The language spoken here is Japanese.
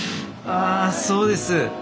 あそうです。